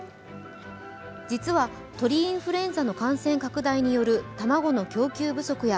実は鳥インフルエンザの感染拡大による卵の供給不足や